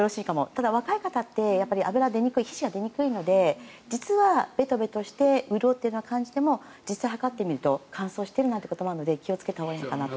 ただ、若い方って脂が出にくい皮脂が出にくいので実はベタベタして潤っているような感じでも実際に測ってみると乾燥していることもあるので気をつけたほうがいいのかなと。